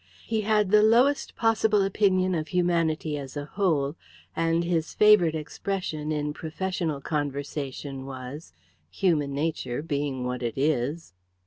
He had the lowest possible opinion of humanity as a whole, and his favourite expression, in professional conversation, was: "human nature being what it is...."